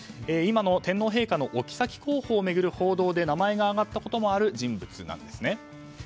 今の天皇陛下のおきさき候補を巡る報道で名前が挙がったこともある人物なんですね。